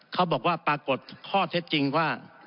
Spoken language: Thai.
เขาบอกว่าปรากฏข้อเท็จจริงว่า